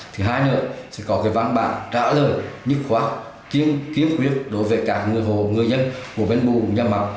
thứ hai nữa là có văn bản trả lời dứt khoát kiếm quyết đối với các người hồ người dân của bến bù nhà mạc